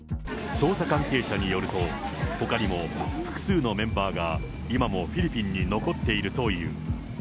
捜査関係者によると、ほかにも複数のメンバーが今もフィリピンに残っているという。